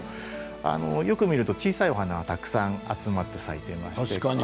よく見ると小さいお花がたくさん集まって咲いています。